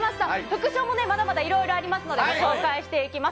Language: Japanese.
副賞もね、まだまだいろいろありますので、ご紹介していきます。